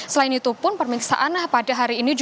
selain itu pun permintaan pada hari ini